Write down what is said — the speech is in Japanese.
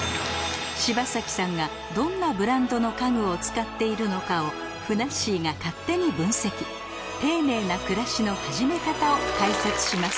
柴咲さんがどんなブランドの家具を使っているのかをふなっしーが勝手に分析丁寧な暮らしの始め方を解説します